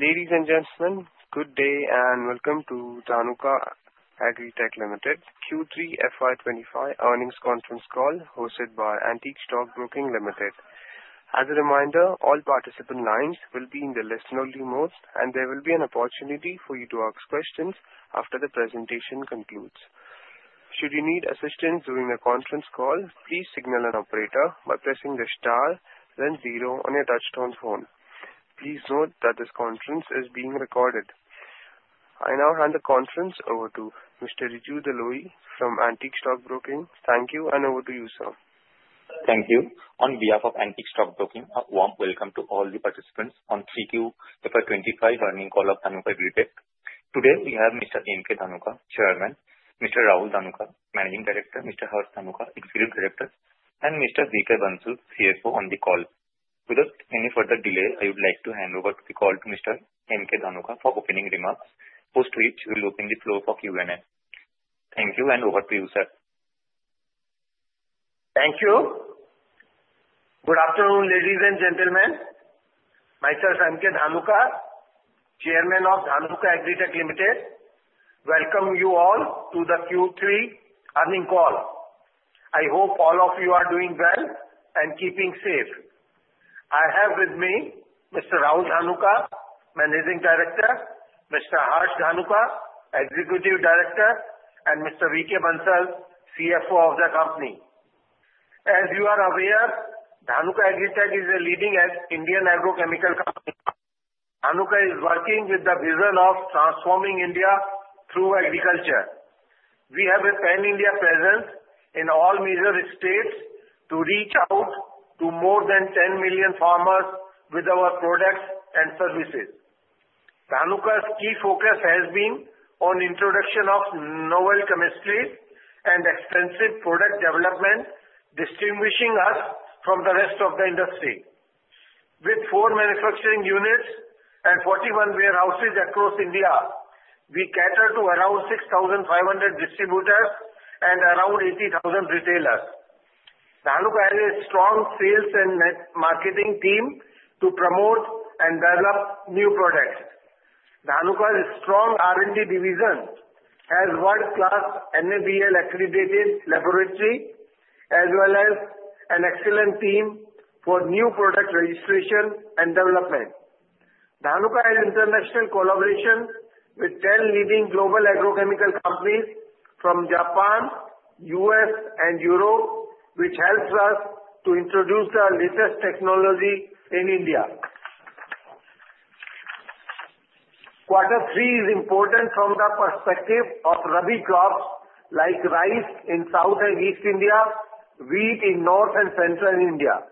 Ladies and gentlemen, good day and welcome to Dhanuka Agritech Limited Q3 FY25 earnings conference call hosted by Antique Stock Broking Limited. As a reminder, all participant lines will be in the list-only mode, and there will be an opportunity for you to ask questions after the presentation concludes. Should you need assistance during the conference call, please signal an operator by pressing the star, then zero on your touch-tone phone. Please note that this conference is being recorded. I now hand the conference over to Mr. Riju Dalui from Antique Stock Broking. Thank you, and over to you, sir. Thank you. On behalf of Antique Stock Broking, a warm welcome to all the participants on Q3 FY25 earnings call of Dhanuka Agritech. Today, we have Mr. M. K. Dhanuka, Chairman; Mr. Rahul Dhanuka, Managing Director; Mr. Harsh Dhanuka, Executive Director; and Mr. V. K. Bansal, CFO, on the call. Without any further delay, I would like to hand over the call to Mr. M. K. Dhanuka for opening remarks, post which we will open the floor for Q&A. Thank you, and over to you, sir. Thank you. Good afternoon, ladies and gentlemen. Myself, M. K. Dhanuka, Chairman of Dhanuka Agritech Limited, welcome you all to the Q3 earnings call. I hope all of you are doing well and keeping safe. I have with me Mr. Rahul Dhanuka, Managing Director, Mr. Harsh Dhanuka, Executive Director, and Mr. V. K. Bansal, CFO of the company. As you are aware, Dhanuka Agritech is a leading Indian agrochemical company. Dhanuka is working with the vision of transforming India through agriculture. We have a pan-India presence in all major states to reach out to more than 10 million farmers with our products and services. Dhanuka's key focus has been on the introduction of novel chemistry and extensive product development, distinguishing us from the rest of the industry. With four manufacturing units and 41 warehouses across India, we cater to around 6,500 distributors and around 80,000 retailers. Dhanuka has a strong sales and marketing team to promote and develop new products. Dhanuka's strong R&D division has world-class NABL-accredited laboratory, as well as an excellent team for new product registration and development. Dhanuka has international collaboration with 10 leading global agrochemical companies from Japan, the U.S., and Europe, which helps us to introduce the latest technology in India. Quarter three is important from the perspective of Rabi crops like rice in South and East India, wheat in North and Central India.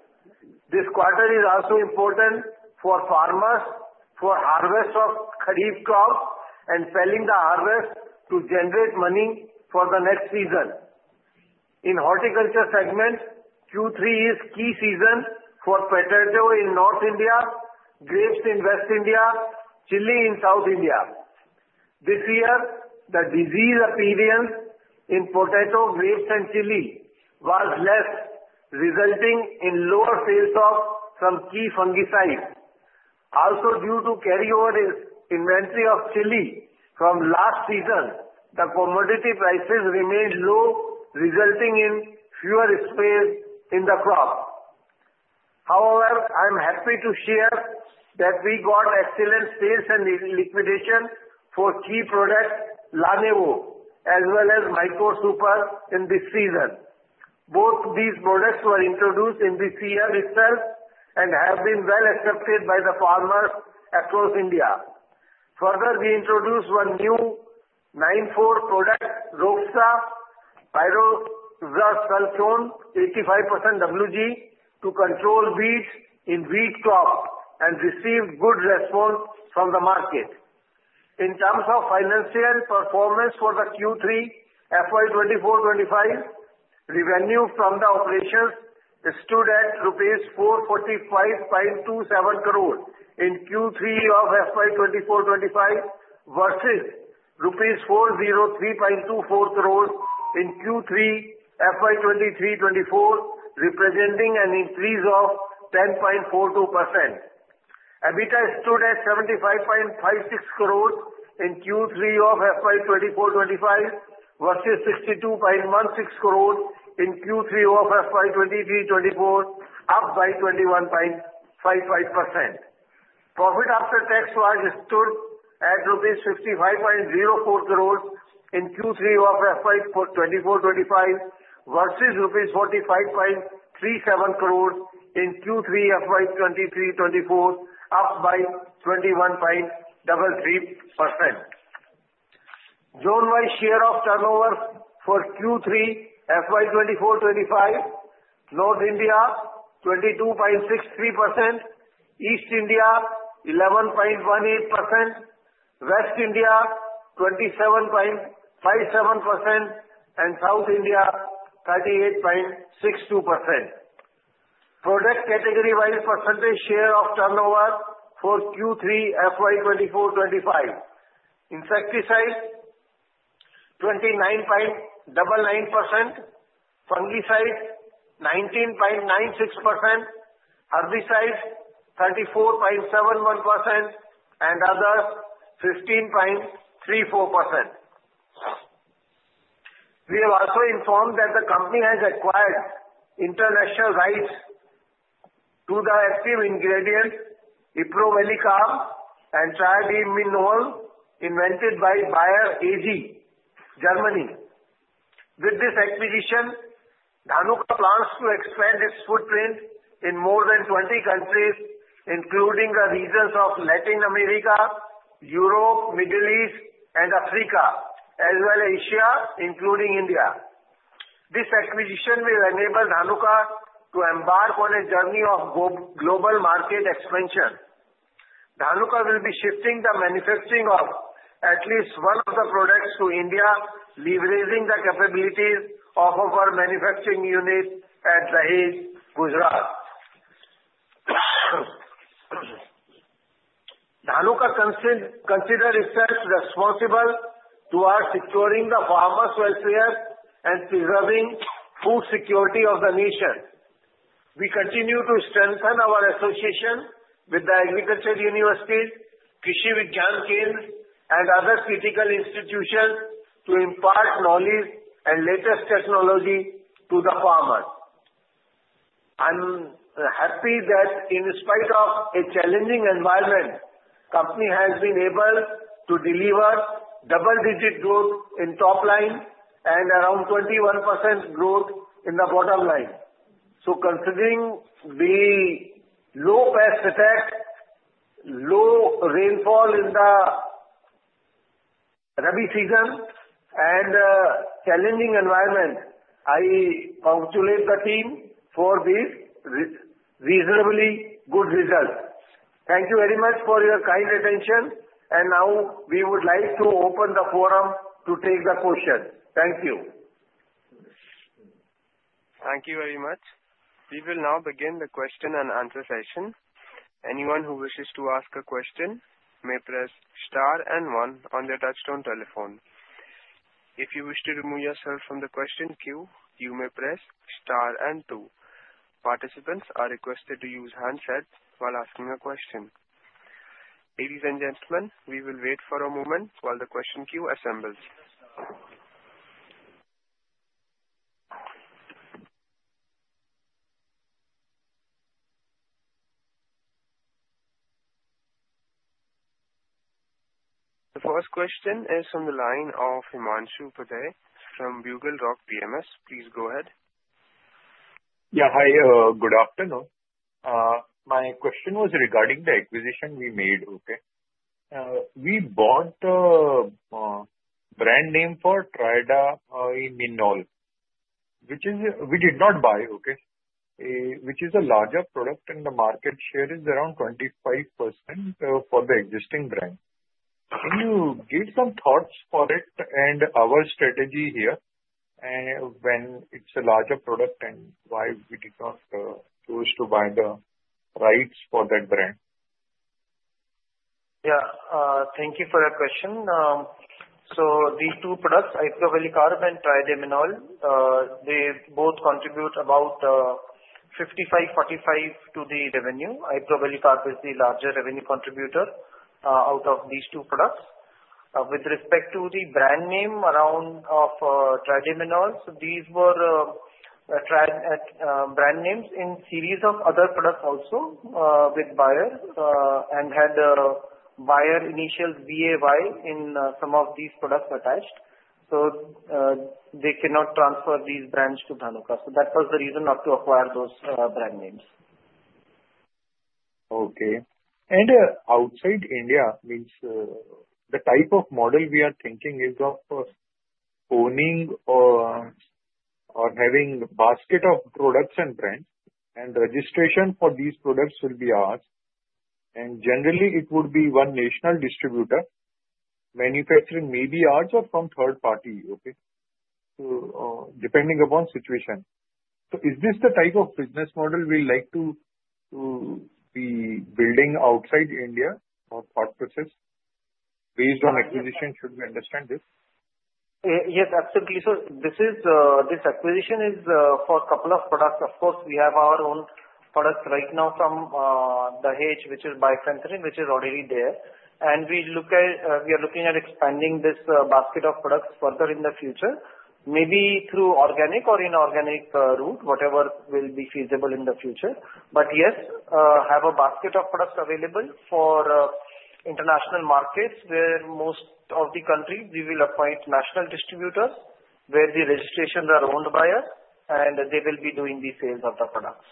This quarter is also important for farmers for harvest of Kharif crops and selling the harvest to generate money for the next season. In the horticulture segment, Q3 is a key season for potato in North India, grapes in West India, and chili in South India. This year, the disease appearance in potato, grapes, and chili was less, resulting in lower sales of some key fungicides. Also, due to carryover inventory of chili from last season, the commodity prices remained low, resulting in fewer sprays in the crop. However, I am happy to share that we got excellent sales and liquidation for key products like LaNevo, as well as Mycore Super in this season. Both these products were introduced in this year itself and have been well accepted by the farmers across India. Further, we introduced one new 9(4) product, Purge Pyroxasulfone, 85% WG, to control weeds in wheat crops and received good response from the market. In terms of financial performance for the Q3 FY24-25, revenue from the operations stood at rupees 445.27 crore in Q3 of FY24-25 versus rupees 403.24 crore in Q3 FY23-24, representing an increase of 10.42%. EBITDA stood at 75.56 crore in Q3 of FY24-25 versus 62.16 crore in Q3 FY23-24, up by 21.55%. Profit after tax stood at rupees 65.04 crore in Q3 of FY24-25 versus rupees 45.37 crore in Q3 FY23-24, up by 21.33%. Zone-wide share of turnover for Q3 FY24-25: North India 22.63%, East India 11.18%, West India 27.57%, and South India 38.62%. Product category-wide percentage share of turnover for Q3 FY24-25: insecticides 29.99%, fungicides 19.96%, herbicides 34.71%, and others 15.34%. We have also informed that the company has acquired international rights to the active ingredient Iprovalicarb and Triadimenol, invented by Bayer AG, Germany. With this acquisition, Dhanuka plans to expand its footprint in more than 20 countries, including the regions of Latin America, Europe, the Middle East, and Africa, as well as Asia, including India. This acquisition will enable Dhanuka to embark on a journey of global market expansion. Dhanuka will be shifting the manufacturing of at least one of the products to India, leveraging the capabilities of our manufacturing unit at Dahej, Gujarat. Dhanuka considers itself responsible towards securing the farmers' welfare and preserving food security of the nation. We continue to strengthen our association with the agriculture universities, Krishi Vigyan Kendra, and other critical institutions to impart knowledge and latest technology to the farmers. I am happy that in spite of a challenging environment, the company has been able to deliver double-digit growth in top line and around 21% growth in the bottom line. So, considering the low pest attacks, low rainfall in the rainy season, and the challenging environment, I congratulate the team for these reasonably good results. Thank you very much for your kind attention. And now, we would like to open the forum to take the questions. Thank you. Thank you very much. We will now begin the question and answer session. Anyone who wishes to ask a question may press star and one on their touch-tone telephone. If you wish to remove yourself from the question queue, you may press star and two. Participants are requested to use handsets while asking a question. Ladies and gentlemen, we will wait for a moment while the question queue assembles. The first question is from the line of Himanshu Upadhyay from Bugle Rock PMS. Please go ahead. Yeah, hi. Good afternoon. My question was regarding the acquisition we made. We bought a brand name for Triadimenol, which we did not buy, which is a larger product, and the market share is around 25% for the existing brand. Can you give some thoughts for it and our strategy here when it's a larger product and why we did not choose to buy the rights for that brand? Yeah. Thank you for that question. So these two products, Iprovalicarb and Triadimenol, they both contribute about 55%-45% to the revenue. Iprovalicarb is the larger revenue contributor out of these two products. With respect to the brand name around of Triadimenol, so these were brand names in a series of other products also with Bayer and had Bayer initials, B-A-Y, in some of these products attached. So they cannot transfer these brands to Dhanuka. So that was the reason not to acquire those brand names. Okay. And outside India means the type of model we are thinking is of owning or having a basket of products and brands, and registration for these products will be ours. And generally, it would be one national distributor. Manufacturing may be ours or from a third party, okay, depending upon the situation. So is this the type of business model we like to be building outside India or parts of this? Based on acquisition, should we understand this? Yes, absolutely. So this acquisition is for a couple of products. Of course, we have our own products right now from Dahej, which is Bifenthrin, which is already there. And we are looking at expanding this basket of products further in the future, maybe through organic or inorganic route, whatever will be feasible in the future. But yes, have a basket of products available for international markets where most of the countries we will acquire national distributors where the registrations are owned by us, and they will be doing the sales of the products.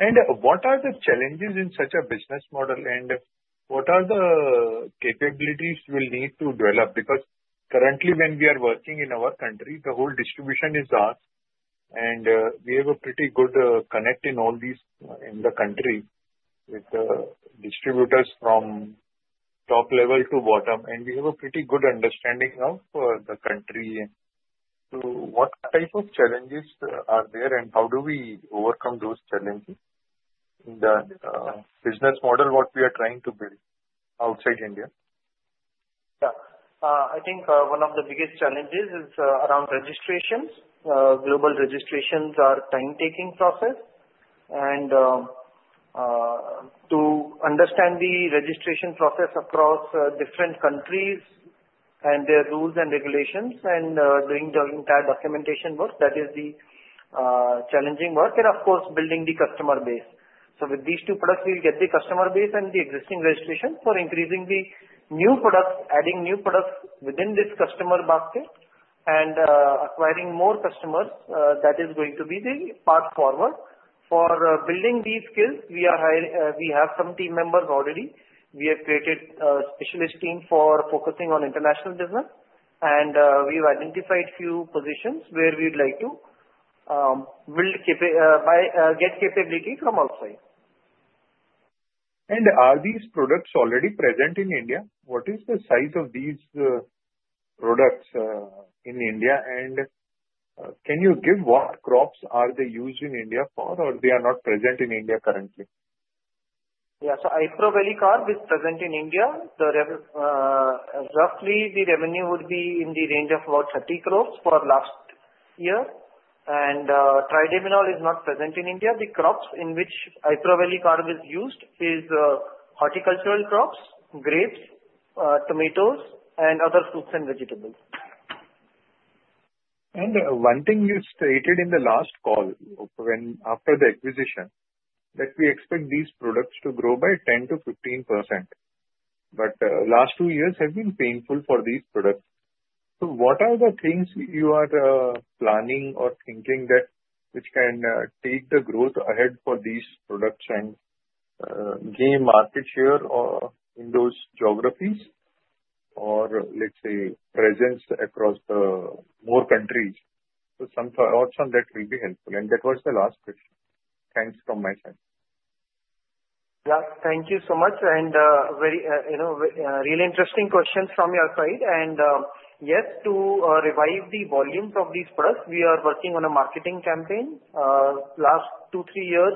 And what are the challenges in such a business model, and what are the capabilities we'll need to develop? Because currently, when we are working in our country, the whole distribution is ours. And we have a pretty good connect in all these in the country with distributors from top level to bottom. And we have a pretty good understanding of the country. So what type of challenges are there, and how do we overcome those challenges in the business model what we are trying to build outside India? Yeah. I think one of the biggest challenges is around registrations. Global registrations are a time-taking process. And to understand the registration process across different countries and their rules and regulations and doing the entire documentation work, that is the challenging work. And of course, building the customer base. So with these two products, we'll get the customer base and the existing registrations for increasing the new products, adding new products within this customer basket and acquiring more customers. That is going to be the path forward. For building these skills, we have some team members already. We have created a specialist team for focusing on international business. And we've identified a few positions where we'd like to get capability from outside. Are these products already present in India? What is the size of these products in India? Can you give what crops are they used in India for, or they are not present in India currently? Yeah. So Iprovalicarb is present in India. Roughly, the revenue would be in the range of about 30 crore for last year. And Triadimenol is not present in India. The crops in which Iprovalicarb is used are horticultural crops, grapes, tomatoes, and other fruits and vegetables. And one thing you stated in the last call after the acquisition that we expect these products to grow by 10%-15%. But the last two years have been painful for these products. So what are the things you are planning or thinking that which can take the growth ahead for these products and gain market share in those geographies or, let's say, presence across more countries? So some thoughts on that will be helpful. And that was the last question. Thanks from my side. Yeah. Thank you so much. And really interesting questions from your side. And yes, to revive the volumes of these products, we are working on a marketing campaign. Last two, three years,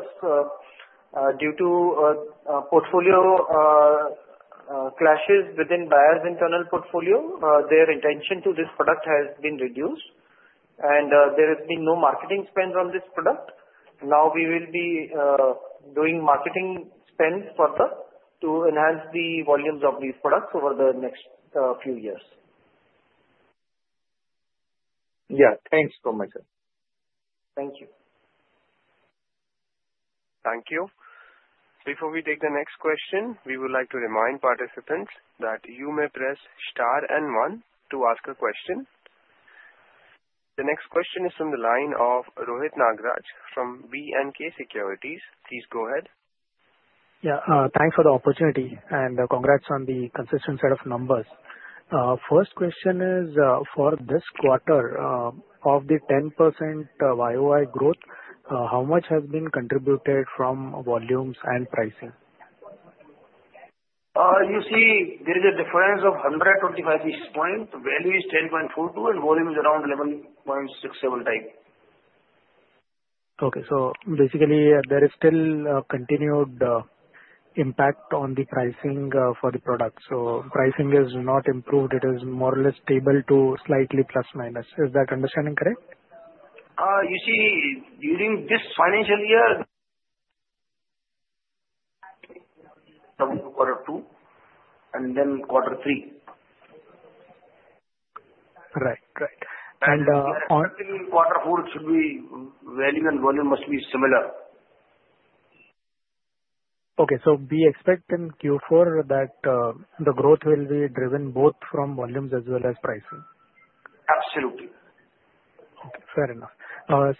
due to portfolio clashes within Bayer's internal portfolio, their attention to this product has been reduced. And there has been no marketing spend on this product. Now, we will be doing marketing spend further to enhance the volumes of these products over the next few years. Yeah. Thanks so much. Thank you. Thank you. Before we take the next question, we would like to remind participants that you may press star and one to ask a question. The next question is from the line of Rohit Nagraj from B&K Securities. Please go ahead. Yeah. Thanks for the opportunity and congrats on the consistent set of numbers. First question is for this quarter, of the 10% YoY growth, how much has been contributed from volumes and pricing? You see, there is a difference of 125-ish points. Value is 10.42, and volume is around 11.67 times. Okay. So basically, there is still continued impact on the pricing for the products. So pricing has not improved. It is more or less stable to slightly plus-minus. Is that understanding correct? You see, during this financial year, so quarter two and then quarter three. Right. Right. Quarter four should be value and volume must be similar. Okay. So we expect in Q4 that the growth will be driven both from volumes as well as pricing. Absolutely. Okay. Fair enough.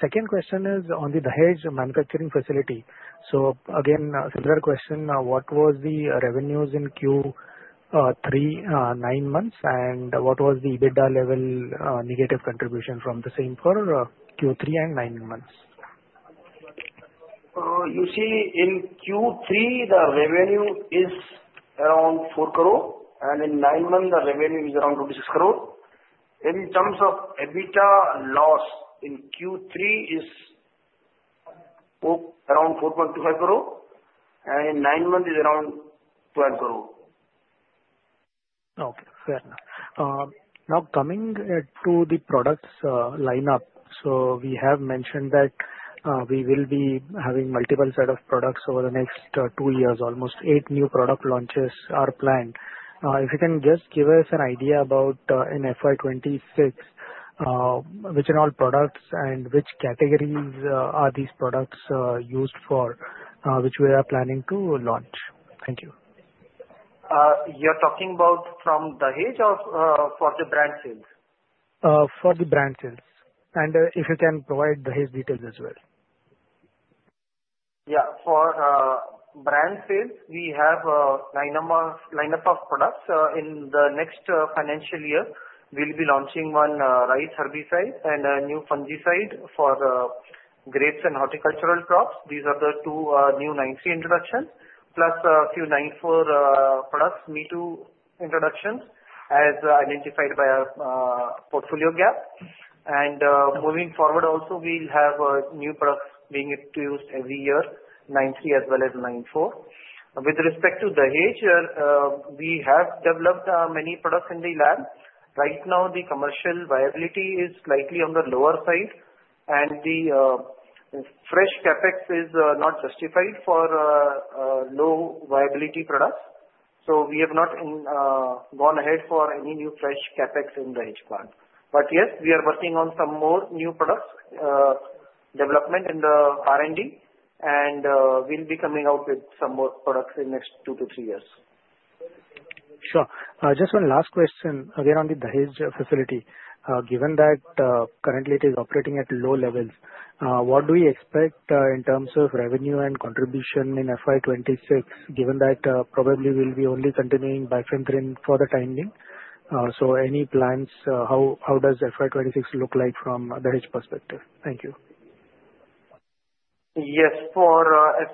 Second question is on the Dahej manufacturing facility. So again, similar question. What was the revenues in Q3 nine months? And what was the EBITDA level negative contribution from the same for Q3 and nine months? You see, in Q3, the revenue is around 4 crore, and in nine months, the revenue is around 26 crore. In terms of EBITDA, loss in Q3 is around 4.25 crore, and in nine months, it is around 12 crore. Okay. Fair enough. Now, coming to the products lineup, so we have mentioned that we will be having multiple sets of products over the next two years. Almost eight new product launches are planned. If you can just give us an idea about in FY26, which are all products and which categories are these products used for, which we are planning to launch? Thank you. You're talking about from Dahej for the brand sales? For the brand sales. And if you can provide Dahej's details as well. Yeah. For brand sales, we have a lineup of products. In the next financial year, we'll be launching one rice herbicide and a new fungicide for grapes and horticultural crops. These are the two new 9(3) introductions, plus a few 9(4) products, Me-Too introductions, as identified by our portfolio gap, and moving forward, also, we'll have new products being introduced every year, 9(3) as well as 9(4). With respect to Dahej, we have developed many products in the lab. Right now, the commercial viability is slightly on the lower side, and the fresh CapEx is not justified for low viability products, so we have not gone ahead for any new fresh CapEx in Dahej's part, but yes, we are working on some more new product development in the R&D, and we'll be coming out with some more products in the next two to three years. Sure. Just one last question. Again, on the Dahej facility, given that currently it is operating at low levels, what do we expect in terms of revenue and contribution in FY26, given that probably we'll be only continuing Bifenthrin for the time being? So any plans? How does FY26 look like from the Dahej perspective? Thank you. Yes. For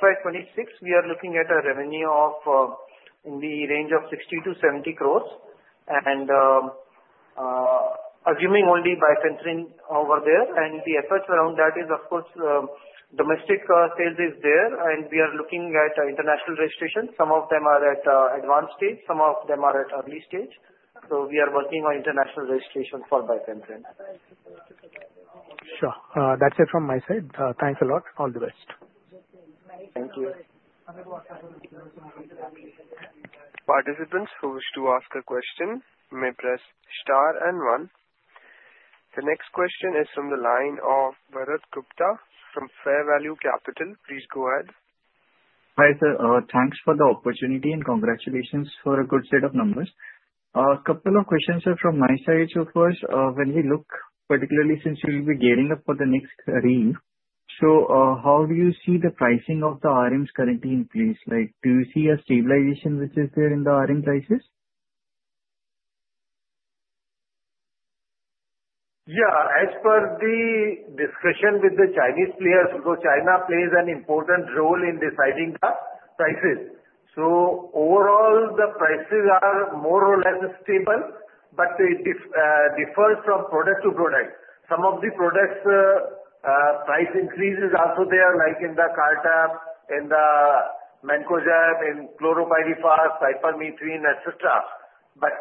FY26, we are looking at a revenue of in the range of 60-70 crore. And assuming only Bifenthrin over there. And the efforts around that is, of course, domestic sales is there. And we are looking at international registration. Some of them are at advanced stage. Some of them are at early stage. So we are working on international registration for Bifenthrin. Sure. That's it from my side. Thanks a lot. All the best. Thank you. Participants who wish to ask a question may press star and one. The next question is from the line of Bharat Gupta from Fair Value Capital. Please go ahead. Hi, sir. Thanks for the opportunity and congratulations for a good set of numbers. A couple of questions are from my side. So first, when we look, particularly since we'll be gearing up for the next Rabi, so how do you see the pricing of the RMs currently in place? Do you see a stabilization which is there in the RM prices? Yeah. As per the discussion with the Chinese players, so China plays an important role in deciding the prices. So overall, the prices are more or less stable, but it differs from product to product. Some of the products' price increases are also there, like in the Cartap, in the Mancozeb, in the Chlorpyrifos, Cypermethrin, etc. But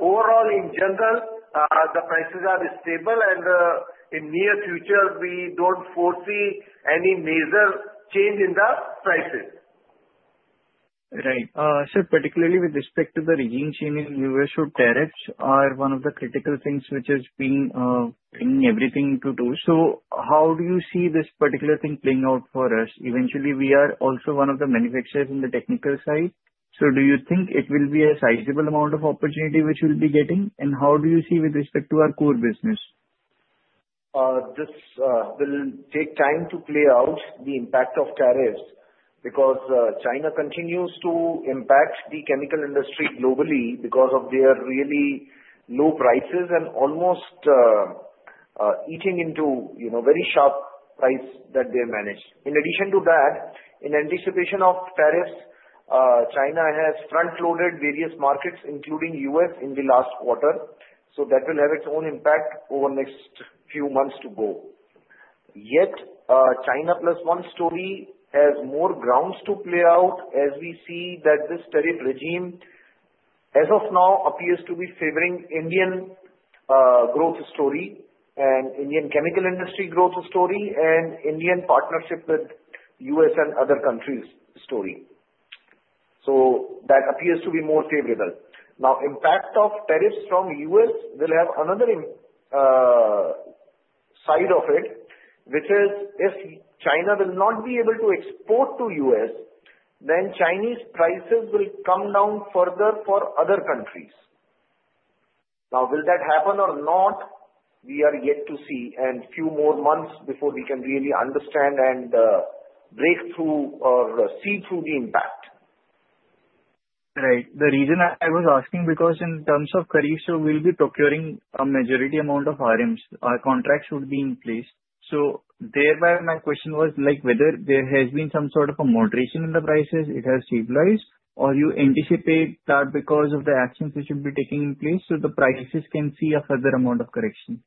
overall, in general, the prices are stable. And in the near future, we don't foresee any major change in the prices. Right. Sir, particularly with respect to the regime changes, U.S. trade tariffs are one of the critical things which are bringing everything to a head. So how do you see this particular thing playing out for us? Eventually, we are also one of the manufacturers in the technical side. So do you think it will be a sizable amount of opportunity which we'll be getting? And how do you see with respect to our core business? This will take time to play out the impact of tariffs because China continues to impact the chemical industry globally because of their really low prices and almost eating into very sharp price that they manage. In addition to that, in anticipation of tariffs, China has front-loaded various markets, including the U.S., in the last quarter. So that will have its own impact over the next few months to go. Yet, China Plus One story has more grounds to play out as we see that this tariff regime, as of now, appears to be favoring Indian growth story and Indian chemical industry growth story and Indian partnership with U.S. and other countries' story, so that appears to be more favorable. Now, the impact of tariffs from the U.S. will have another side of it, which is if China will not be able to export to the U.S., then Chinese prices will come down further for other countries. Now, will that happen or not? We are yet to see and a few more months before we can really understand and break through or see through the impact. Right. The reason I was asking because in terms of tariffs, so we'll be procuring a majority amount of RMs. Our contracts would be in place. So thereby, my question was whether there has been some sort of a moderation in the prices, it has stabilized, or you anticipate that because of the actions which will be taken in place so the prices can see a further amount of correction?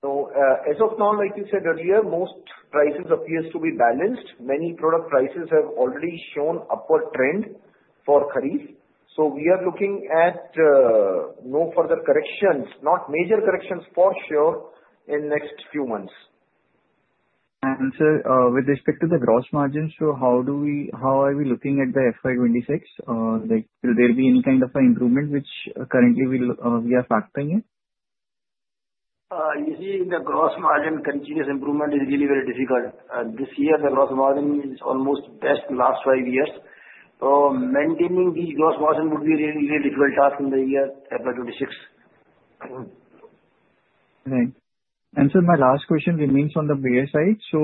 So as of now, like you said earlier, most prices appear to be balanced. Many product prices have already shown upward trend for tariffs. So we are looking at no further corrections, not major corrections for sure, in the next few months. Sir, with respect to the gross margins, so how are we looking at the FY26? Will there be any kind of an improvement which currently we are factoring in? You see, the gross margin continuous improvement is really very difficult. This year, the gross margin is almost best in the last five years. So maintaining the gross margin would be a really difficult task in the year FY26. Right. And sir, my last question remains on the Bayer side. So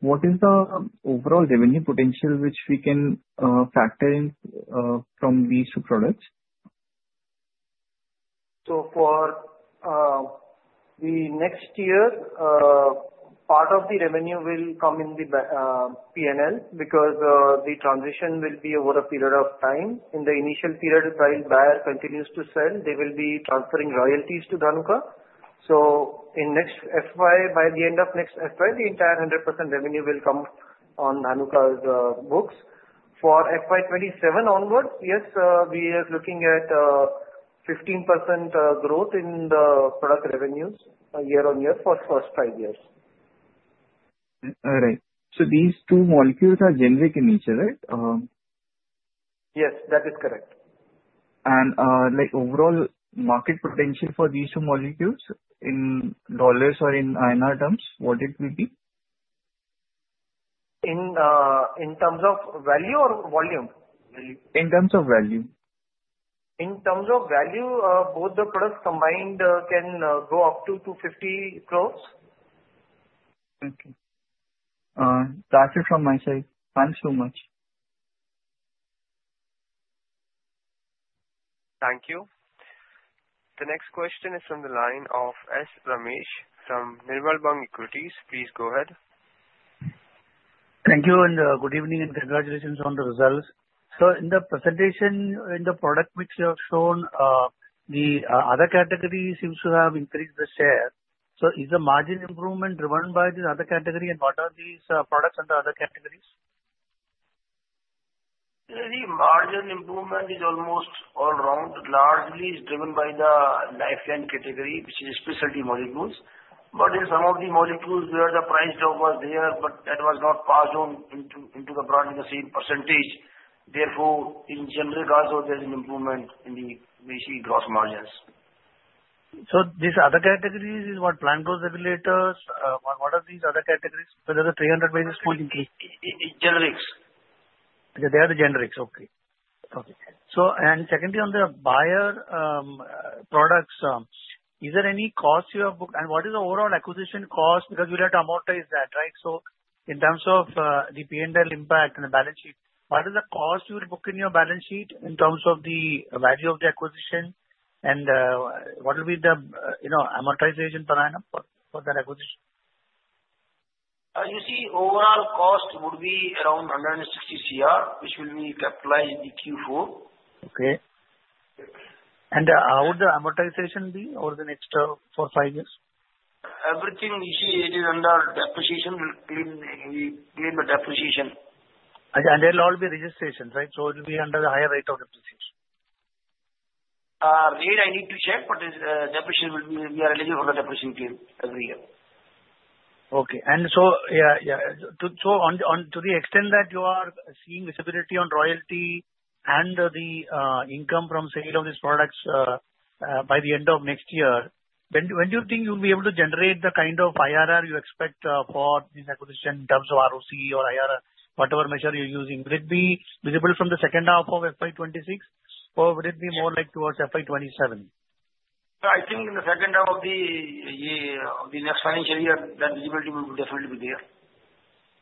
what is the overall revenue potential which we can factor in from these two products? For the next year, part of the revenue will come in the P&L because the transition will be over a period of time. In the initial period, while Bayer continues to sell, they will be transferring royalties to Dhanuka. In next FY, by the end of next FY, the entire 100% revenue will come on Dhanuka's books. For FY27 onwards, yes, we are looking at 15% growth in the product revenues year on year for the first five years. All right. So these two molecules are generic in nature, right? Yes, that is correct. Overall market potential for these two molecules in dollars or in INR terms, what would it be? In terms of value or volume? In terms of value. In terms of value, both the products combined can go up to 250 crores. Okay. That's it from my side. Thanks so much. Thank you. The next question is from the line of Ramesh Sankaranarayanan from Nirmal Bang Equities. Please go ahead. Thank you. And good evening and congratulations on the results. Sir, in the presentation, in the product mix you have shown, the other category seems to have increased the share. So is the margin improvement driven by the other category? And what are these products and the other categories? The margin improvement is almost all round. Largely it's driven by the licensed category, which is specialty molecules. But in some of the molecules, where the price drop was there, but that was not passed on into the brand in the same percentage. Therefore, in general, there is an improvement in the gross margins. So, these other categories is what? Plant growth regulators. What are these other categories? Whether the 300 basis points increase? Generics. They are the generics. Okay. Okay. And secondly, on the Bayer products, is there any cost you have booked? And what is the overall acquisition cost? Because we'll have to amortize that, right? So in terms of the P&L impact and the balance sheet, what is the cost you will book in your balance sheet in terms of the value of the acquisition? And what will be the amortization per annum for that acquisition? You see, overall cost would be around 160 crore, which will be capitalized in Q4. Okay. And how would the amortization be over the next four, five years? Everything issued under deposition will be clean deposition. They will all be registrations, right? It will be under the higher rate of depreciation. Right, I need to check, but we are eligible for the depreciation every year. Okay. And so to the extent that you are seeing visibility on royalty and the income from sale of these products by the end of next year, when do you think you'll be able to generate the kind of IRR you expect for this acquisition in terms of ROC or IRR, whatever measure you're using? Will it be visible from the second half of FY26, or will it be more like towards FY27? I think in the second half of the next financial year, that visibility will definitely be there.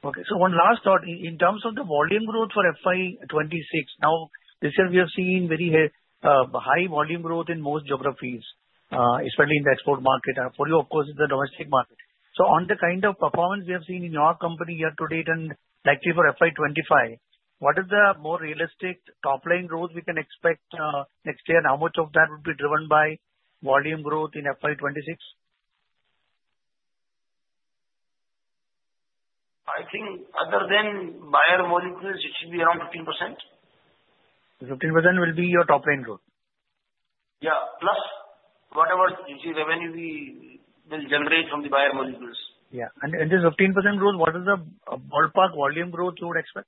Okay. So one last thought. In terms of the volume growth for FY26, now, this year we have seen very high volume growth in most geographies, especially in the export market. For you, of course, it's the domestic market. So on the kind of performance we have seen in your company year to date and likely for FY25, what is the more realistic top-line growth we can expect next year? And how much of that would be driven by volume growth in FY26? I think other than Bayer molecules, it should be around 15%. 15% will be your top-line growth? Yeah. Plus whatever revenue we will generate from the Bayer molecules. Yeah. And this 15% growth, what is the ballpark volume growth you would expect?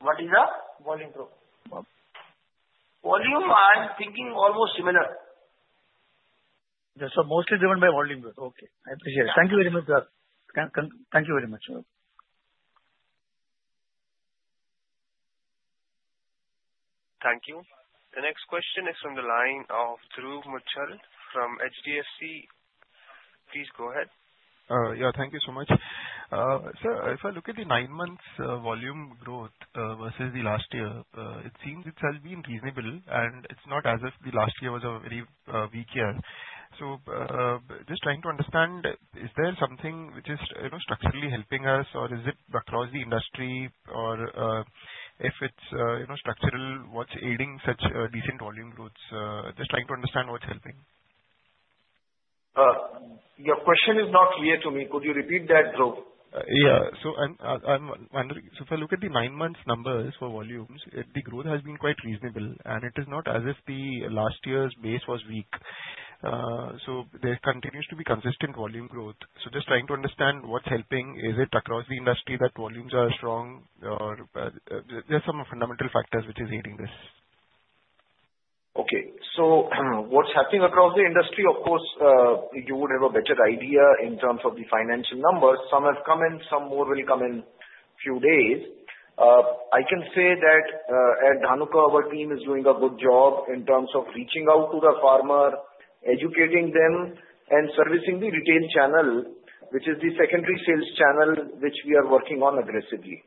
What is the volume growth? Volume, I'm thinking almost similar. So mostly driven by volume growth. Okay. I appreciate it. Thank you very much, sir. Thank you very much. Thank you. The next question is from the line of Dhruv Muchhal from HDFC. Please go ahead. Yeah. Thank you so much. Sir, if I look at the nine-month volume growth versus the last year, it seems it's been reasonable. And it's not as if the last year was a very weak year. So just trying to understand, is there something which is structurally helping us, or is it across the industry? Or if it's structural, what's aiding such decent volume growths? Just trying to understand what's helping. Your question is not clear to me. Could you repeat that, Dhruv? Yeah, so if I look at the nine-month numbers for volumes, the growth has been quite reasonable, and it is not as if the last year's base was weak, so there continues to be consistent volume growth, so just trying to understand what's helping. Is it across the industry that volumes are strong? There are some fundamental factors which are aiding this. Okay. So what's happening across the industry, of course, you would have a better idea in terms of the financial numbers. Some have come in. Some more will come in a few days. I can say that Dhanuka Agritech is doing a good job in terms of reaching out to the farmer, educating them, and servicing the retail channel, which is the secondary sales channel which we are working on aggressively.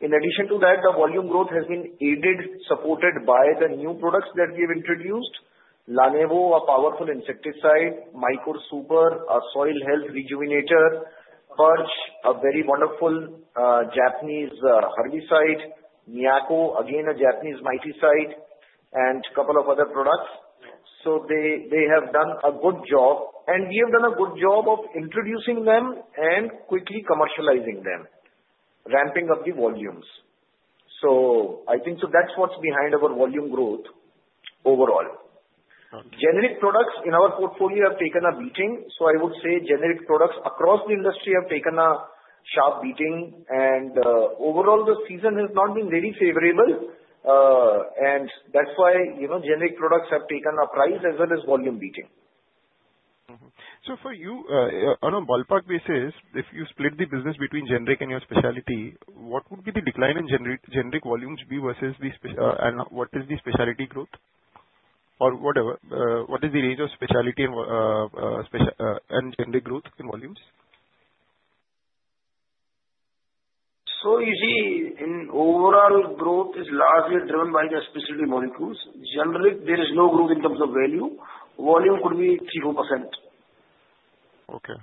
In addition to that, the volume growth has been aided, supported by the new products that we have introduced: LaNevo, a powerful insecticide; MYCORe Super, a soil health rejuvenator; Purge, a very wonderful Japanese herbicide; Miyako, again, a Japanese miticide; and a couple of other products. So they have done a good job. And we have done a good job of introducing them and quickly commercializing them, ramping up the volumes. So I think that's what's behind our volume growth overall. Generic products in our portfolio have taken a beating. So I would say generic products across the industry have taken a sharp beating. And overall, the season has not been very favorable. And that's why generic products have taken a price as well as volume beating. So for you, on a ballpark basis, if you split the business between generic and your specialty, what would be the decline in generic volumes versus what is the specialty growth? Or whatever? What is the range of specialty and generic growth in volumes? So you see, in overall growth is largely driven by the specialty molecules. Generic, there is no growth in terms of value. Volume could be 3%-4%. Okay.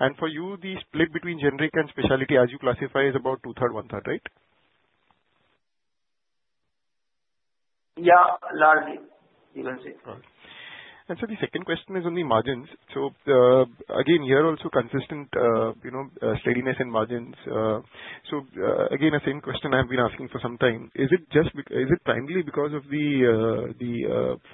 And for you, the split between generic and specialty, as you classify, is about two-thirds, one-third, right? Yeah. Largely, you can say. All right. And so the second question is on the margins. So again, you are also consistent steadiness in margins. So again, the same question I've been asking for some time. Is it primarily because of the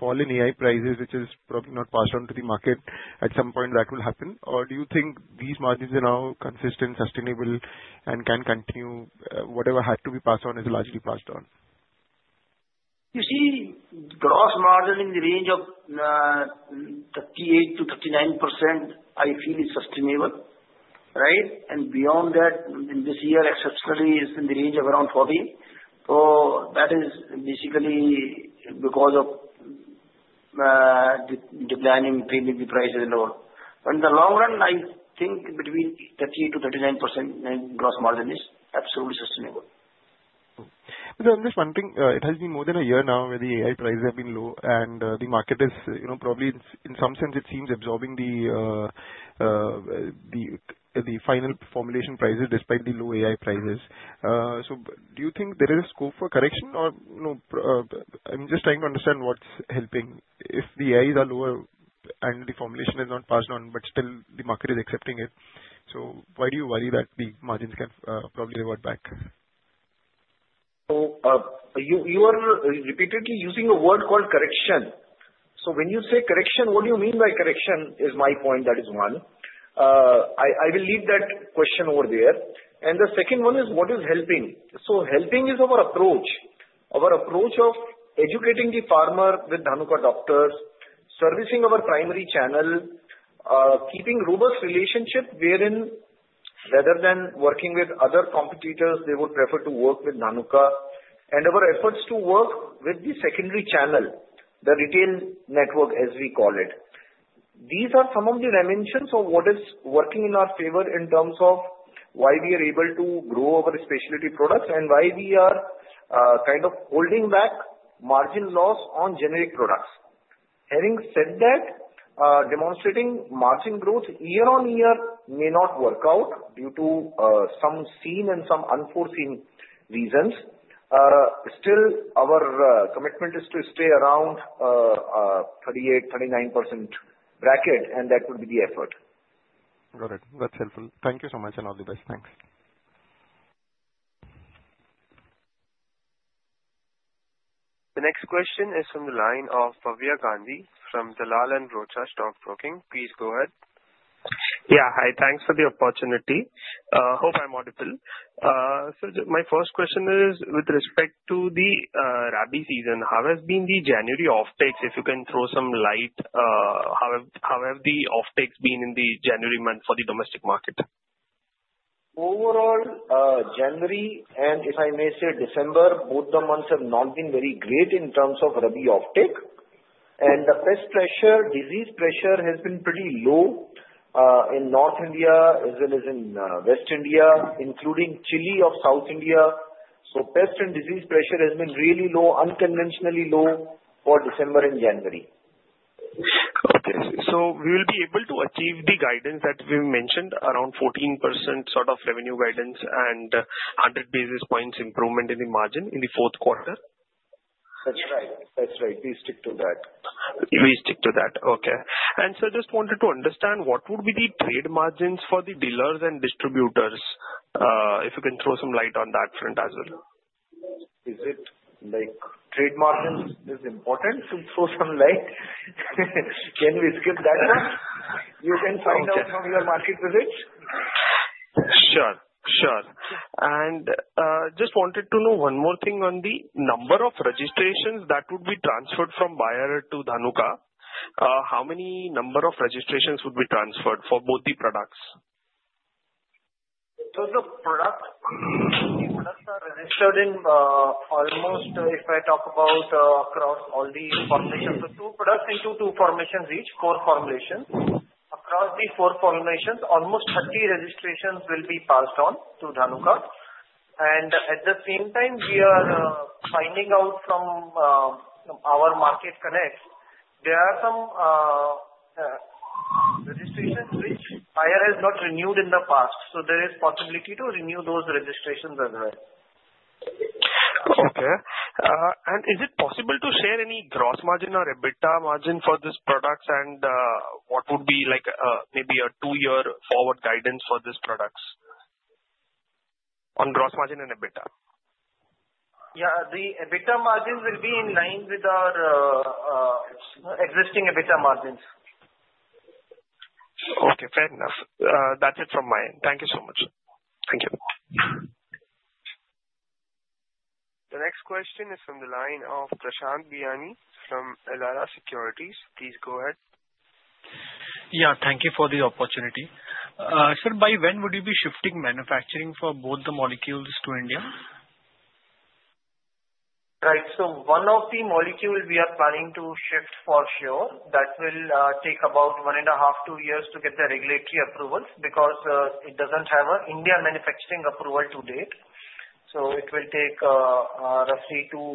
fall in AI prices, which is probably not passed on to the market at some point that will happen? Or do you think these margins are now consistent, sustainable, and can continue? Whatever had to be passed on is largely passed on. You see, gross margin in the range of 38%-39%, I feel is sustainable, right? And beyond that, in this year, exceptionally, it's in the range of around 40%. So that is basically because of declining P&L prices and all. But in the long run, I think between 38%-39% gross margin is absolutely sustainable. So I'm just wondering, it has been more than a year now where the AI prices have been low, and the market is probably, in some sense, it seems, absorbing the final formulation prices despite the low AI prices. So do you think there is scope for correction? Or I'm just trying to understand what's helping. If the AIs are lower and the formulation is not passed on, but still the market is accepting it, so why do you worry that the margins can probably revert back? You are repeatedly using a word called correction. So when you say correction, what do you mean by correction? Is my point, that is one. I will leave that question over there. And the second one is what is helping. So helping is our approach. Our approach of educating the farmer with Dhanuka Doctors, servicing our primary channel, keeping robust relationship wherein, rather than working with other competitors, they would prefer to work with Dhanuka. And our efforts to work with the secondary channel, the retail network, as we call it. These are some of the dimensions of what is working in our favor in terms of why we are able to grow our specialty products and why we are kind of holding back margin loss on generic products. Having said that, demonstrating margin growth year on year may not work out due to some seen and some unforeseen reasons. Still, our commitment is to stay around 38%-39% bracket, and that would be the effort. Got it. That's helpful. Thank you so much and all the best. Thanks. The next question is from the line of Bhavya Gandhi from Dalal & Broacha Stock Broking. Please go ahead. Yeah. Hi. Thanks for the opportunity. Hope I'm audible. So my first question is with respect to the Rabi season, how has been the January offtakes? If you can throw some light, how have the offtakes been in the January month for the domestic market? Overall, January, and if I may say December, both the months have not been very great in terms of Rabi's off-take, and the pest pressure, disease pressure has been pretty low in North India as well as in West India, including chili or South India, so pest and disease pressure has been really low, unconventionally low for December and January. Okay. So we will be able to achieve the guidance that we mentioned, around 14% sort of revenue guidance and 100 basis points improvement in the margin in the fourth quarter? That's right. That's right. We stick to that. We stick to that. Okay. And so I just wanted to understand what would be the trade margins for the dealers and distributors? If you can throw some light on that front as well. Is it like trade margins is important to throw some light? Can we skip that one? You can find out from your market research. Sure. Sure. And just wanted to know one more thing on the number of registrations that would be transferred from Bayer to Dhanuka. How many number of registrations would be transferred for both the products? So the products, the products are registered in almost if I talk about across all the formulations. So two products into two formulations each, four formulations. Across the four formulations, almost 30 registrations will be passed on to Dhanuka. And at the same time, we are finding out from our market connect, there are some registrations which Bayer has not renewed in the past. So there is possibility to renew those registrations as well. Okay. And is it possible to share any gross margin or EBITDA margin for these products? And what would be maybe a two-year forward guidance for these products on gross margin and EBITDA? Yeah. The EBITDA margins will be in line with our existing EBITDA margins. Okay. Fair enough. That's it from my end. Thank you so much. Thank you. The next question is from the line of Prashant Biyani from Elara Securities. Please go ahead. Yeah. Thank you for the opportunity. Sir, by when would you be shifting manufacturing for both the molecules to India? Right. So one of the molecules we are planning to shift for sure. That will take about one and a half, two years to get the regulatory approvals because it doesn't have an Indian manufacturing approval to date. So it will take roughly two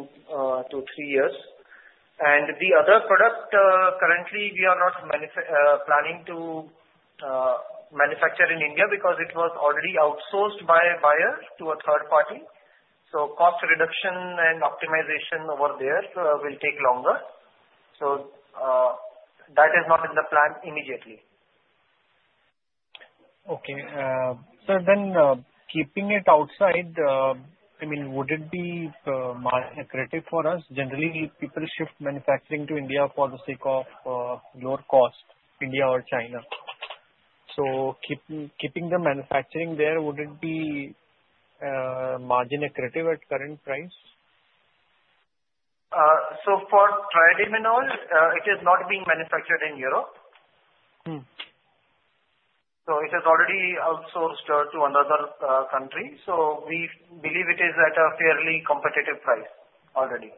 to three years. And the other product, currently, we are not planning to manufacture in India because it was already outsourced by Bayer to a third party. So cost reduction and optimization over there will take longer. So that is not in the plan immediately. Okay. So then keeping it outside, I mean, would it be more accurate for us? Generally, people shift manufacturing to India for the sake of lower cost. India or China. So keeping the manufacturing there, would it be margin accurate at current price? So for Triadimenol, it is not being manufactured in Europe. So it is already outsourced to another country. So we believe it is at a fairly competitive price already.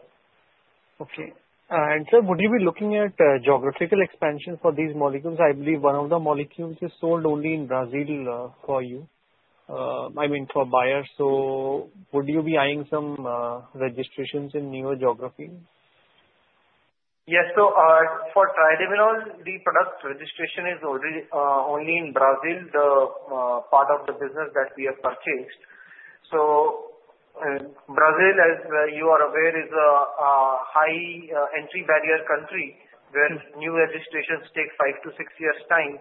Okay, and sir, would you be looking at geographical expansion for these molecules? I believe one of the molecules is sold only in Brazil for you. I mean, for Bayer, so would you be eyeing some registrations in newer geography? Yes. So for Triadimenol, the product registration is only in Brazil, the part of the business that we have purchased. So Brazil, as you are aware, is a high entry barrier country where new registrations take five-to-six years' time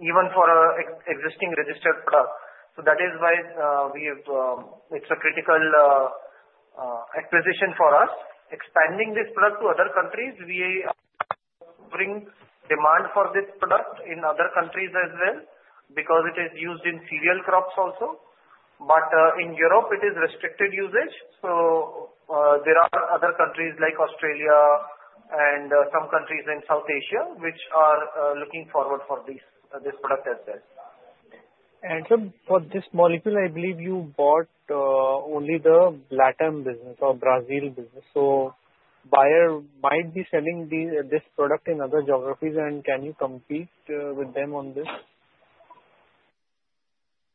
even for an existing registered product. So that is why it's a critical acquisition for us. Expanding this product to other countries, we bring demand for this product in other countries as well because it is used in cereal crops also. But in Europe, it is restricted usage. So there are other countries like Australia and some countries in South Asia which are looking forward for this product as well. Sir, for this molecule, I believe you bought only the Latin business or Brazil business. Bayer might be selling this product in other geographies. Can you compete with them on this?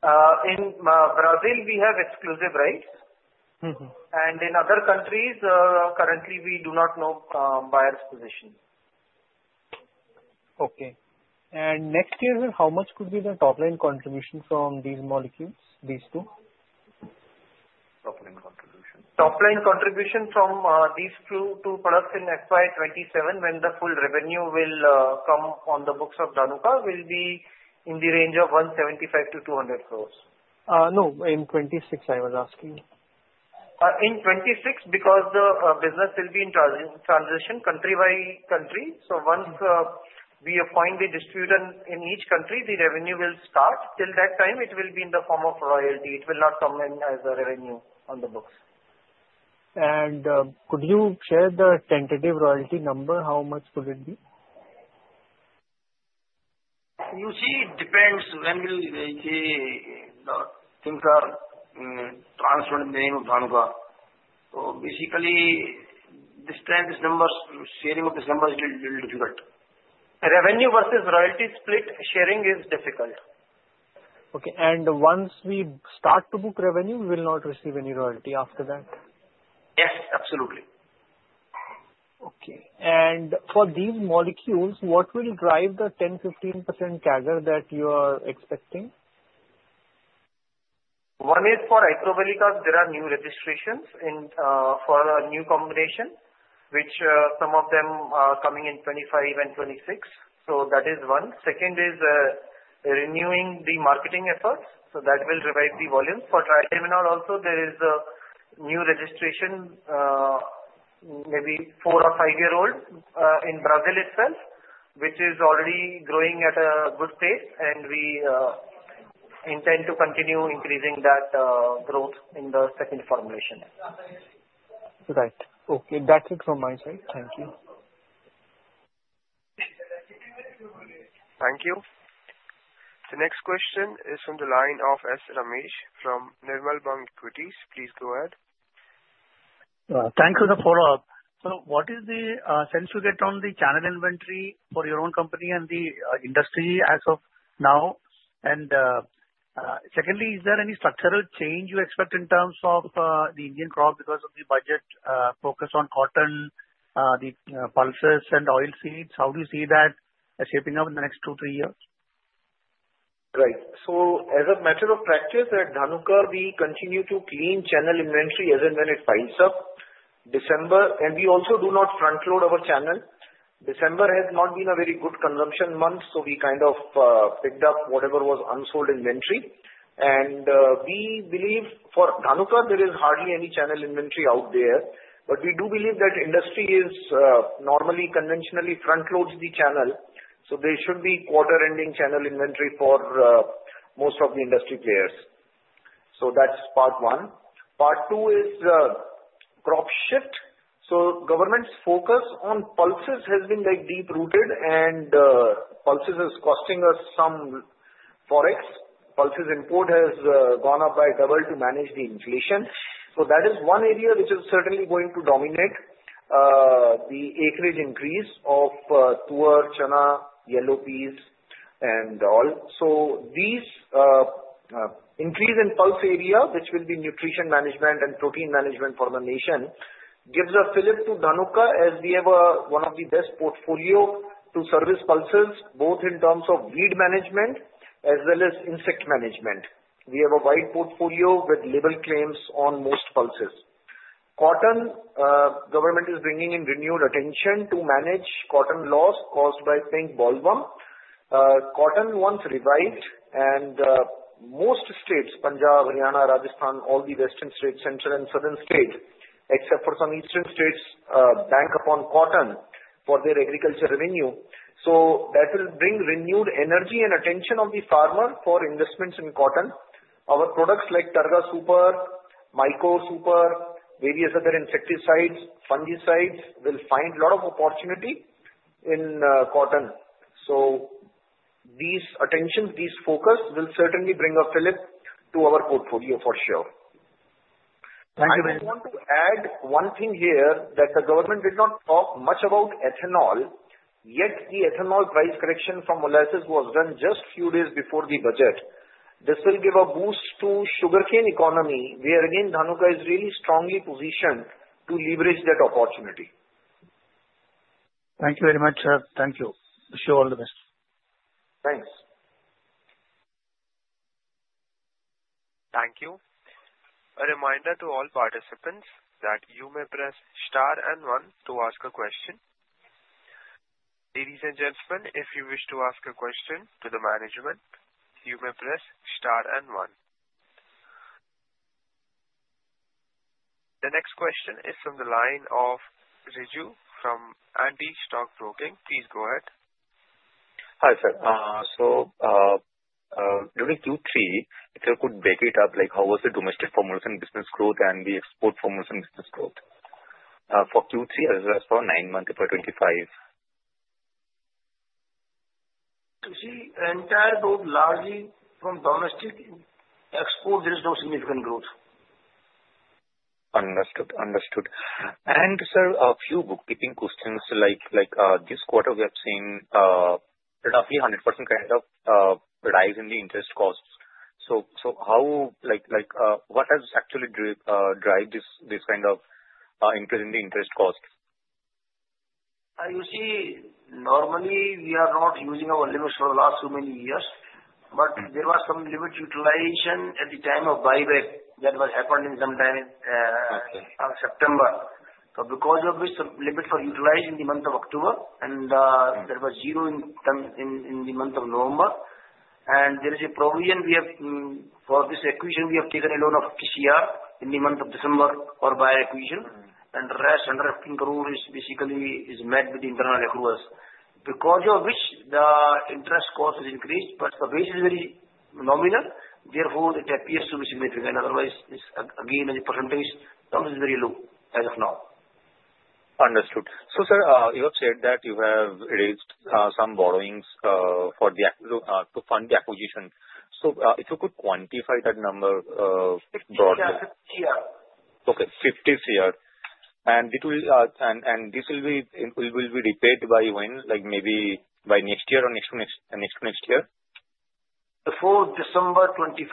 In Brazil, we have exclusive rights. And in other countries, currently, we do not know Bayer's position. Okay. And next year, sir, how much could be the top-line contribution from these molecules, these two? Top-line contribution? Top-line contribution from these two products in FY 27, when the full revenue will come on the books of Dhanuka, will be in the range of 175 crore to 200 crore. No. In 26, I was asking. In 2026 because the business will be in transition country by country. So once we appoint the distributor in each country, the revenue will start. Till that time, it will be in the form of royalty. It will not come in as a revenue on the books. Could you share the tentative royalty number? How much could it be? You see, it depends when things are transferred in the name of Dhanuka. So basically, this number, sharing of this number is a little difficult. Revenue versus royalty split sharing is difficult. Okay, and once we start to book revenue, we will not receive any royalty after that? Yes. Absolutely. Okay. And for these molecules, what will drive the 10%-15% CAGR that you are expecting? One is for Iprovalicarb. There are new registrations for a new combination, which some of them are coming in 2025 and 2026. So that is one. Second is renewing the marketing efforts. So that will revive the volume. For Triadimenol also, there is a new registration, maybe four or five-year-old in Brazil itself, which is already growing at a good pace. And we intend to continue increasing that growth in the second formulation. Right. Okay. That's it from my side. Thank you. Thank you. The next question is from the line of Ramesh Sankaranarayanan from Nirmal Bang Equities. Please go ahead. Thanks for the follow-up. So what is the sense you get on the channel inventory for your own company and the industry as of now? And secondly, is there any structural change you expect in terms of the Indian crop because of the budget focus on cotton, the pulses, and oil seeds? How do you see that shaping up in the next two, three years? Right. So as a matter of practice, at Dhanuka, we continue to clean channel inventory as and when it piles up, and we also do not front-load our channel. December has not been a very good consumption month, so we kind of picked up whatever was unsold inventory, and we believe for Dhanuka, there is hardly any channel inventory out there. But we do believe that industry normally conventionally front-loads the channel, so there should be quarter-ending channel inventory for most of the industry players, so that's part one. Part two is crop shift. Government's focus on pulses has been deep-rooted, and pulses is costing us some forex. Pulses import has doubled to manage the inflation, so that is one area which is certainly going to dominate the acreage increase of toor, chana, yellow peas, and all. So this increase in pulse area, which will be nutrition management and protein management for the nation, gives a flip to Dhanuka as we have one of the best portfolios to service pulses, both in terms of weed management as well as insect management. We have a wide portfolio with label claims on most pulses. Cotton, government is bringing in renewed attention to manage cotton loss caused by Pink Bollworm. Cotton once revived, and most states, Punjab, Haryana, Rajasthan, all the western states, central and southern states, except for some eastern states, bank upon cotton for their agriculture revenue. So that will bring renewed energy and attention of the farmer for investments in cotton. Our products like Targa Super, Mycore Super, various other insecticides, fungicides will find a lot of opportunity in cotton. So these attentions, these focus will certainly bring a flip to our portfolio for sure. Thank you very much. I just want to add one thing here that the government did not talk much about ethanol, yet the ethanol price correction from molasses was done just a few days before the budget. This will give a boost to sugarcane economy, where again, Dhanuka is really strongly positioned to leverage that opportunity. Thank you very much, sir. Thank you. Wish you all the best. Thanks. Thank you. A reminder to all participants that you may press star and one to ask a question. Ladies and gentlemen, if you wish to ask a question to the management, you may press star and one. The next question is from the line of Riju from Antique Stock Broking. Please go ahead. Hi sir. So during Q3, if you could break it up, how was the domestic formulation business growth and the export formulation business growth? For Q3 as well as for nine months for 25. You see, entire growth largely from domestic export. There is no significant growth. Understood. Understood. And sir, a few bookkeeping questions. This quarter, we have seen roughly 100% kind of rise in the interest costs. So what has actually driven this kind of increase in the interest cost? You see, normally, we are not using our limits for the last so many years. But there was some limit utilization at the time of buyback that was happened sometime in September. So because of this, some limit utilization in the month of October, and there was zero in the month of November. And there is a provision we have for this acquisition. We have taken a loan of INR 15 crore in the month of December for Bayer acquisition. And the rest, under INR 15 crore, is basically met with the internal accruals. Because of which, the interest cost has increased, but the base is very nominal. Therefore, it appears to be significant. Otherwise, again, the percentage is very low as of now. Understood. So sir, you have said that you have raised some borrowings to fund the acquisition. So if you could quantify that number broadly? It's INR 50 Cr. Okay. 50 crore. And this will be repaid by when? Maybe by next year or next to next year? Before December 25.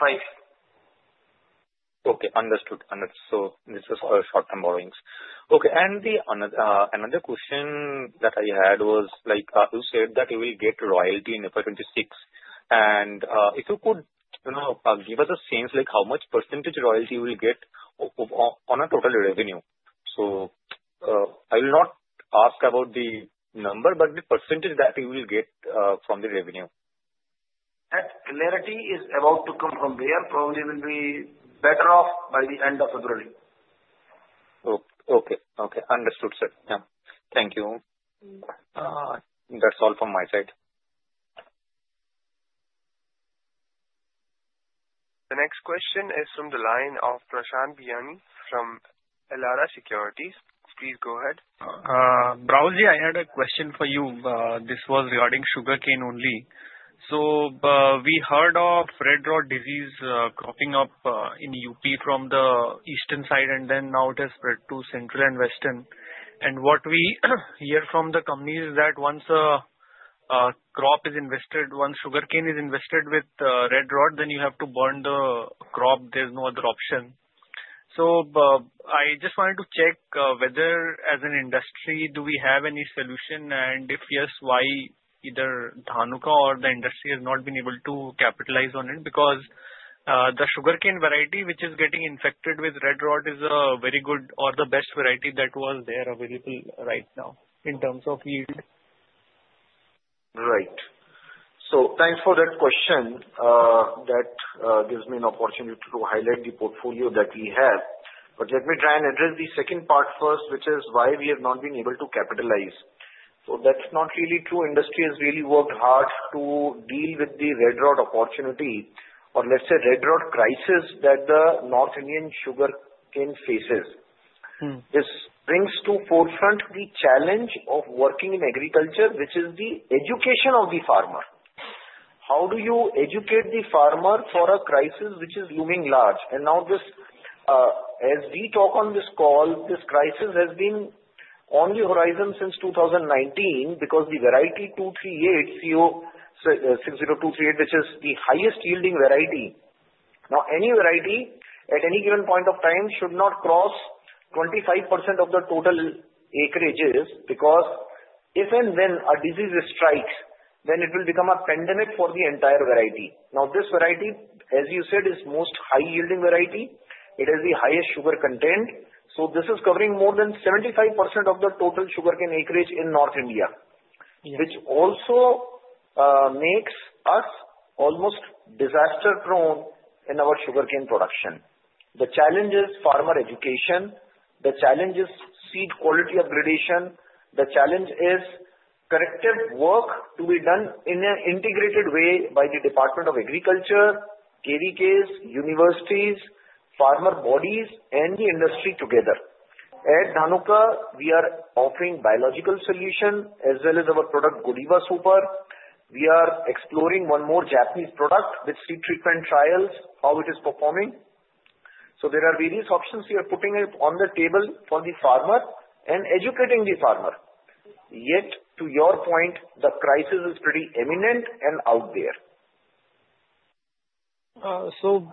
Okay. Understood. Understood. So this is short-term borrowings. Okay. And another question that I had was you said that you will get royalty in 2026. And if you could give us a sense of how much percentage royalty you will get on a total revenue. So I will not ask about the number, but the percentage that you will get from the revenue. That clarity is about to come from Bayer. Probably will be better off by the end of February. Okay. Okay. Understood, sir. Yeah. Thank you. That's all from my side. The next question is from the line of Prashant Biyani from Elara Securities. Please go ahead. Bharat Ji, I had a question for you. This was regarding sugarcane only. So we heard of Red Rot disease cropping up in UP from the eastern side, and then now it has spread to central and western, and what we hear from the company is that once a crop is invested, once sugarcane is invested with Red Rot, then you have to burn the crop. There's no other option. So I just wanted to check whether, as an industry, do we have any solution? And if yes, why either Dhanuka or the industry has not been able to capitalize on it? Because the sugarcane variety, which is getting infected with Red Rot, is a very good or the best variety that was there available right now in terms of yield. Right. So thanks for that question. That gives me an opportunity to highlight the portfolio that we have. But let me try and address the second part first, which is why we have not been able to capitalize. So that's not really true. Industry has really worked hard to deal with the Red Rot opportunity or, let's say, Red Rot crisis that the North Indian sugarcane faces. This brings to forefront the challenge of working in agriculture, which is the education of the farmer. How do you educate the farmer for a crisis which is looming large? Now, as we talk on this call, this crisis has been on the horizon since 2019 because the variety 60238, which is the highest yielding variety, now any variety at any given point of time should not cross 25% of the total acreages because if and when a disease strikes, then it will become a pandemic for the entire variety. Now, this variety, as you said, is the most high-yielding variety. It has the highest sugar content. So this is covering more than 75% of the total sugarcane acreage in North India, which also makes us almost disaster-prone in our sugarcane production. The challenge is farmer education. The challenge is seed quality upgradation. The challenge is corrective work to be done in an integrated way by the Department of Agriculture, KVKs, universities, farmer bodies, and the industry together. At Dhanuka, we are offering biological solution as well as our product, Godiva Super. We are exploring one more Japanese product with seed treatment trials, how it is performing, so there are various options we are putting on the table for the farmer and educating the farmer. Yet, to your point, the crisis is pretty imminent and out there. So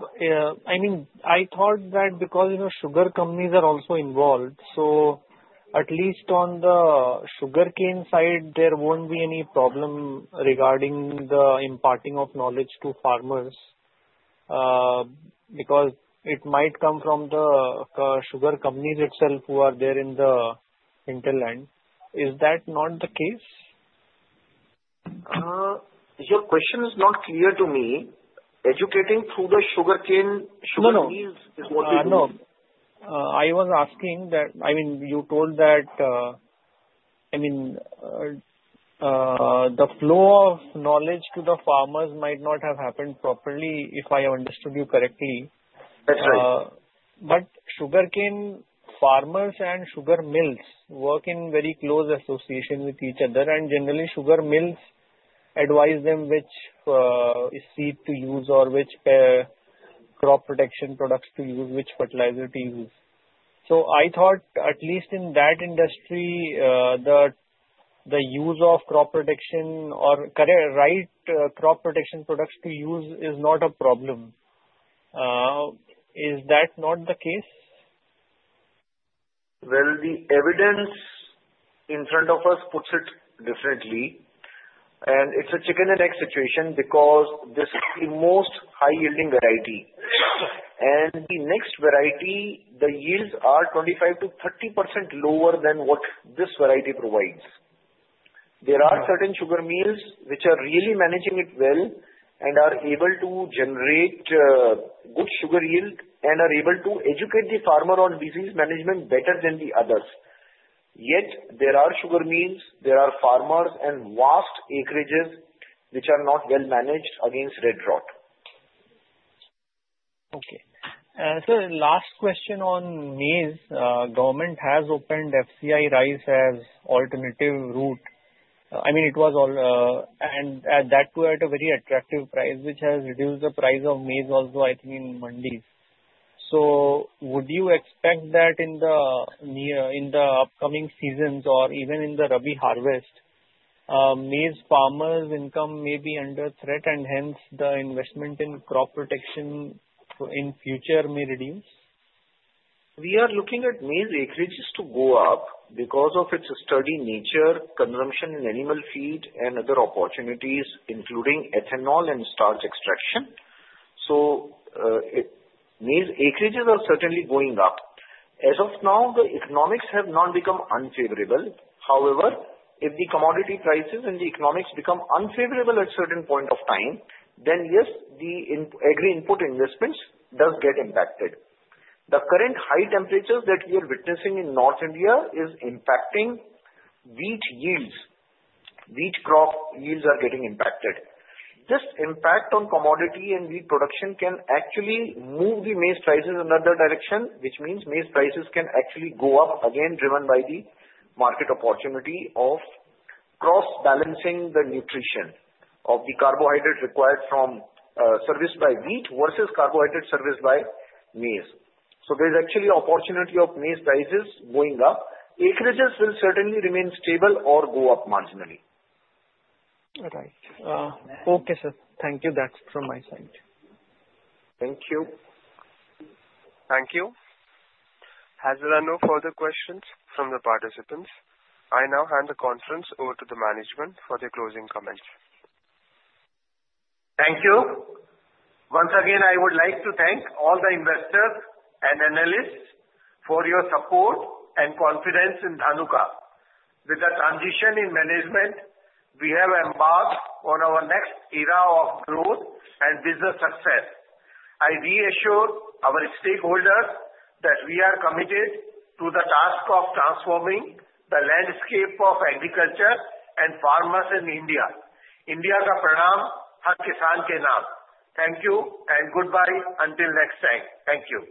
I mean, I thought that because sugar companies are also involved, so at least on the sugarcane side, there won't be any problem regarding the imparting of knowledge to farmers because it might come from the sugar companies itself who are there in the hinterland. Is that not the case? Your question is not clear to me. Educating through the sugarcane companies is what we do. No. I was asking that. I mean, you told that, I mean, the flow of knowledge to the farmers might not have happened properly, if I understood you correctly. That's right. But sugarcane farmers and sugar mills work in very close association with each other. And generally, sugar mills advise them which seed to use or which crop protection products to use, which fertilizer to use. So I thought, at least in that industry, the use of crop protection or right crop protection products to use is not a problem. Is that not the case? The evidence in front of us puts it differently. It's a chicken-and-egg situation because this is the most high-yielding variety. The next variety, the yields are 25%-30% lower than what this variety provides. There are certain sugar mills which are really managing it well and are able to generate good sugar yield and are able to educate the farmer on disease management better than the others. Yet, there are sugar mills, there are farmers, and vast acreages which are not well managed against Red Rot. Okay. Sir, last question on maize. Government has opened FCI rice as alternative route. I mean, and that too at a very attractive price, which has reduced the price of maize also, I think, in mandis. So would you expect that in the upcoming seasons or even in the Rabi harvest, maize farmers' income may be under threat, and hence the investment in crop protection in future may reduce? We are looking at maize acreages to go up because of its sturdy nature, consumption in animal feed, and other opportunities, including ethanol and starch extraction, so maize acreages are certainly going up. As of now, the economics have not become unfavorable. However, if the commodity prices and the economics become unfavorable at a certain point of time, then yes, the agri-input investments do get impacted. The current high temperatures that we are witnessing in North India is impacting wheat yields. Wheat crop yields are getting impacted. This impact on commodity and wheat production can actually move the maize prices in another direction, which means maize prices can actually go up again, driven by the market opportunity of cross-balancing the nutrition of the carbohydrate required from source by wheat versus carbohydrate source by maize, so there's actually an opportunity of maize prices going up. Acreages will certainly remain stable or go up marginally. Right. Okay, sir. Thank you. That's from my side. Thank you. Thank you. Are there any further questions from the participants? I now hand the conference over to the management for their closing comments. Thank you. Once again, I would like to thank all the investors and analysts for your support and confidence in Dhanuka. With the transition in management, we have embarked on our next era of growth and business success. I reassure our stakeholders that we are committed to the task of transforming the landscape of agriculture and farmers in India. India Ka Pranam Har Kisan Ke Naam. Thank you and goodbye until next time. Thank you.